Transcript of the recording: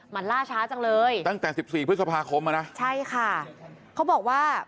มันล่าช้าจังเลยตั้งแต่สิบสี่พฤษภาคมอ่ะนะใช่ค่ะเขาบอกว่า